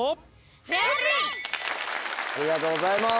ありがとうございます。